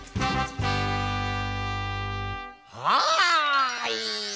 はい！